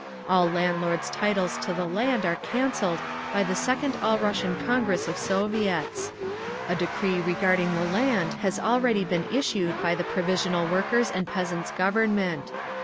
All landlords' titles to the land are cancelled by the second All Russian Congress of Soviets. A decree regarding the land has already been issued by the present Provisional Workers' and Peasants' Government.